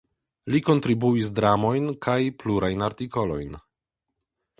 Li kontribuis dramojn kaj plurajn artikolojn.